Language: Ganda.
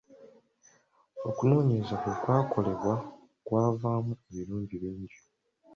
Okunoonyereza bwe kwakolebwa kwavaamu ebirungi bingi.